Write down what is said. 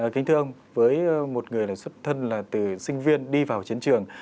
kính thưa ông với một người là xuất thân là từ sinh viên đi vào chiến trường